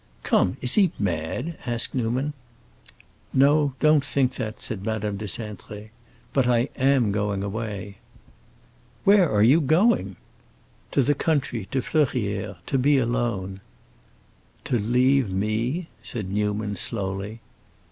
"Come, is he mad?" asked Newman. "No; don't think that," said Madame de Cintré. "But I am going away." "Where are you going?" "To the country, to Fleurières; to be alone." "To leave me?" said Newman, slowly.